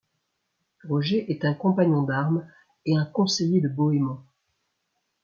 Roger est un compagnon d'arme et un conseiller de Bohémond.